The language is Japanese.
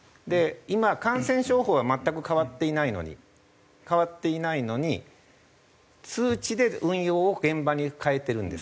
今感染症法は全く変わっていないのに変わっていないのに通知で運用を現場に変えてるんです。